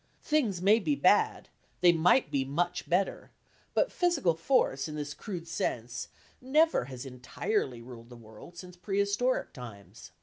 Things may be bad; they might be much better; but physical force, in this crude sense, never has entirely ruled the world since prehistoric times.